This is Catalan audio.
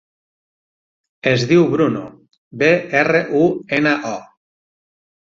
Es diu Bruno: be, erra, u, ena, o.